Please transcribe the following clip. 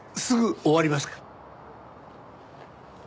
すぐ終わりますから。